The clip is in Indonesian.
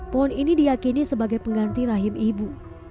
pohon ini diakini sebagai pengganti rahim ibu